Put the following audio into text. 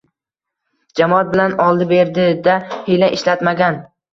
Jamoat bilan oldi-berdida hiyla ishlatmagan